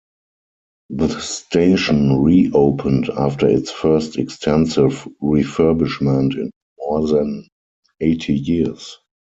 The station reopened after its first extensive refurbishment in more than eighty years.